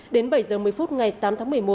đến bảy h một mươi phút ngày tám tháng một mươi một